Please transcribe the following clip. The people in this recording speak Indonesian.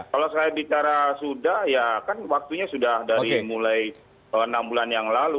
kalau saya bicara sudah ya kan waktunya sudah dari mulai enam bulan yang lalu